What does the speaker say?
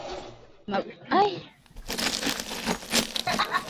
mabuu ya minyoo hiyo